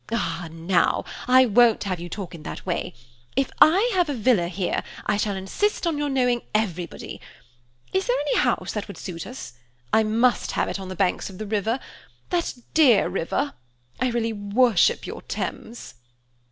"Ah, now, I won't have you talk in that way! If I have a villa here, I shall insist on your knowing everybody. Is there any house that would suit us? I must have it on the banks of the river. That dear river–I really worship your Thames!"